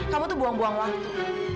kamu tuh buang buang waktu